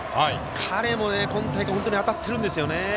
彼もね、今大会、本当に当たっているんですよね。